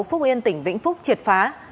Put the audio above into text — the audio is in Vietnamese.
phúc yên tỉnh vĩnh phúc triệt phá